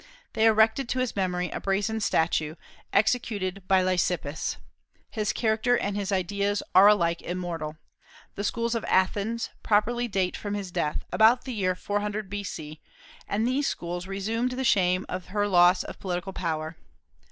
They erected to his memory a brazen statue, executed by Lysippus. His character and his ideas are alike immortal. The schools of Athens properly date from his death, about the year 400 B.C., and these schools redeemed the shame of her loss of political power.